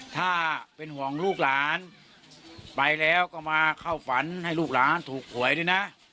ถ้าเป็นห่วงลูกหลานไปแล้วก็มาเข้าฝันให้ลูกหลานถูกหวยด้วยนะ